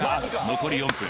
残り４分